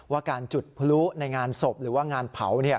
ว่าการจุดพลุในงานศพหรือว่างานเผา